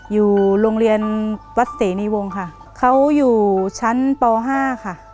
อยู่โรงเรียนวัดเสนีวงค่ะเขาอยู่ชั้นป๕ค่ะ